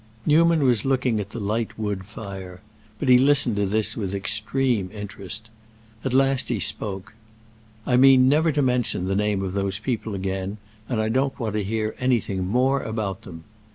Newman was looking at the light wood fire; but he listened to this with extreme interest. At last he spoke: "I mean never to mention the name of those people again, and I don't want to hear anything more about them."